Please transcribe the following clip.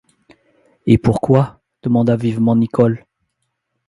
Et pourquoi ? demanda vivement Nicholl.